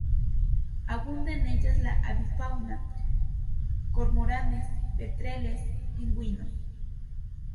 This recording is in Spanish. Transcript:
Abunda en ellas la avifauna: cormoranes, petreles, pingüinos.